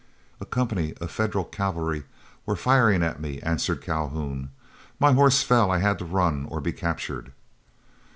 "A company of Federal cavalry were firing at me," answered Calhoun. "My horse fell, and I had to run, or be captured."